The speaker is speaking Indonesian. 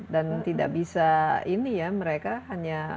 dan tidak bisa ini ya mereka hanya